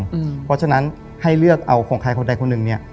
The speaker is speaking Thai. เพราะฉะนั้นให้เลือกเอาของใครคนใดคนหนึ่งเนี่ย